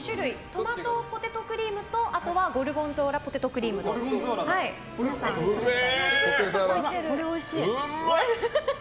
トマトポテトクリームとゴルゴンゾーラポテトクリームです。